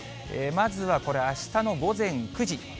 まずはこれ、あしたの午前９時。